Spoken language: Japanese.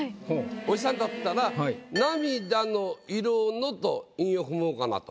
おじさんだったら「涙の色の」と韻を踏もうかなと。